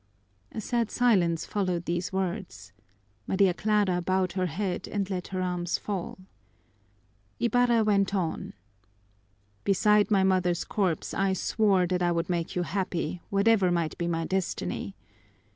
A sad silence followed these words. Maria Clara bowed her head and let her arms fall. Ibarra went on: "Beside my mother's corpse I swore that I would make you happy, whatever might be my destiny!